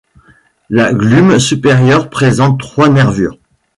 La glume supérieure présente trois nervures.